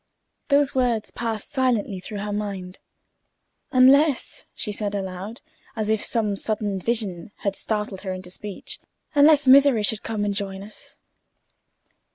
Those words passed silently through her mind. "Unless," she said aloud, as if some sudden vision had startled her into speech—"unless misery should come and join us!"